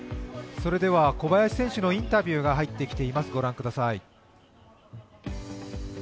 それでは小林選手のインタビューが入ってきています。